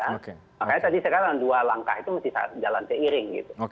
makanya tadi sekalian dua langkah itu mesti jalan seiring